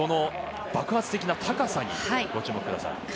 爆発的な高さにご注目ください。